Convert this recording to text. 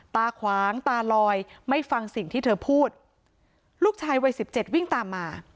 ตาขวางตาลอยไม่ฟังสิ่งที่เธอพูดลูกชายวัยสิบเจ็ดวิ่งตามมา